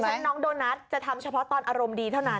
น้องโดนัทจะทำเฉพาะตอนอารมณ์ดีเท่านั้น